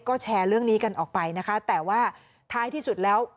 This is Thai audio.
ก็แชร์เรื่องนี้กันออกไปนะคะแต่ว่าท้ายที่สุดแล้ว